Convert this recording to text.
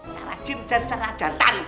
cara jin dan cara jantan